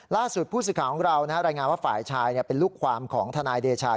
ล่าสุดผู้สื่อข่าวของเรารายงานว่าฝ่ายชายเป็นลูกความของทนายเดชา